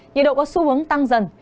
nhiệt độ có xu hướng tăng dần